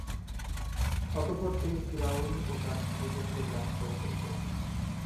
অতঃপর তুমি ফিরআউন ও তার সাথীদেরকে গ্রাস করে ফেলবে।